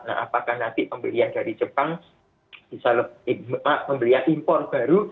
nah apakah nanti pembelian dari jepang bisa lebih pembelian impor baru